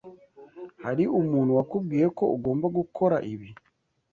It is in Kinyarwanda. Hari umuntu wakubwiye ko ugomba gukora ibi?